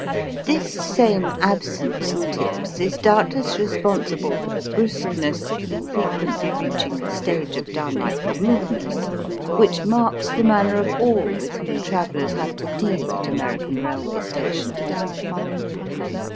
This same absence of tips is doubtless responsible for the brusqueness, frequently reaching the stage of downright rudeness, which marks the manner of all with whom travellers have to deal at American railway stations.